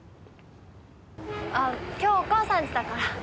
今日お母さんちだから。